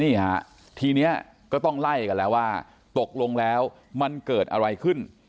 นี่ฮะทีนี้ก็ต้องไล่กันแล้วว่าตกลงแล้วมันเกิดอะไรขึ้น